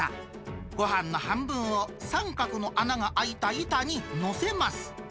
ごはんの半分を三角の穴が開いた板に載せます。